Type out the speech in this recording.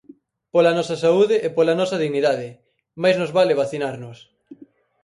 Pola nosa saúde e pola nosa dignidade, máis nos vale vacinarnos.